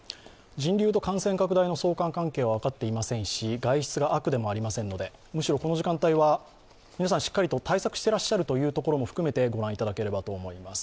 人流と感染拡大の相関関係は分かっておりませんので外出が悪でもありませんので、むしろこの時間帯は皆さんしっかりと対策していらっしゃるというところも含めて御覧いただければと思います。